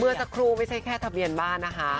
เมื่อสักครู่ไม่ใช่แค่ทะเบียนบ้านนะคะ